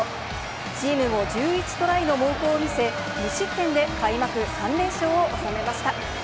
チームも１１トライの猛攻を見せ、無失点で開幕３連勝を収めました。